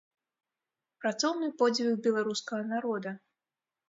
Працоўны подзвіг беларускага народа.